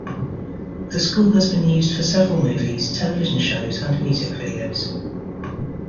The school has been used for several movies, television shows, and music videos.